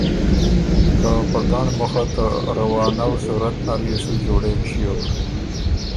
که په ګنړ مُخه ته روانَو صورت نر يې سُو جوړېک ݭیوک